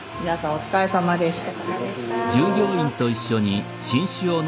お疲れさまでした。